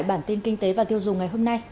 bản tin kinh tế và tiêu dùng ngày hôm nay